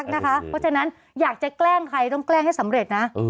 เพราะฉะนั้นอยากจะแกล้งใครต้องแกล้งให้สำเร็จนะ